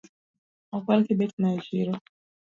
Okwal kibeti na e chiro